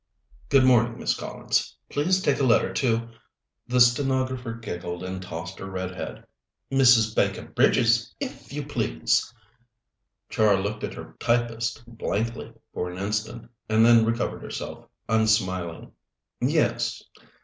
"Good morning, Miss Collins. Please take a letter to " The stenographer giggled and tossed her red head: "Mrs. Baker Bridges, if you please!" Char looked at her typist blankly for an instant, and then recovered herself, unsmiling. "Yes.